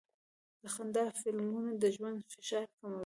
د خندا فلمونه د ژوند فشار کموي.